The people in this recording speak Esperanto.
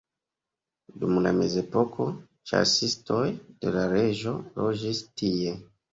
Dum la mezepoko ĉasistoj de la reĝo loĝis tie.